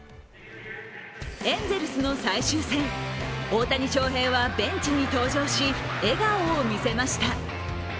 エンゼルスの最終戦、大谷翔平はベンチに登場し、笑顔を見せました。